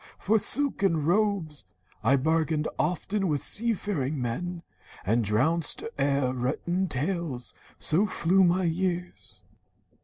For silken robes I bargained often with sea faring men, And drowsed o'er written tales. So flew my years.